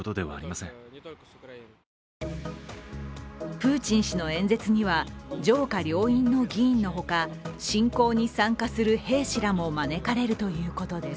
プーチン氏の演説には上下両院の議員のほか侵攻に参加する兵士らも招かれるということです。